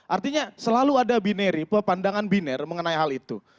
artinya selalu ada binari pepandangan binar mengenai hal itu